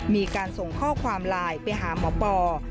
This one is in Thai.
มีการส่งข้อความไลน์ไปหาหมอปอ